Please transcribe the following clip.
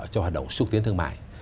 cho hoạt động xúc tiến thương mại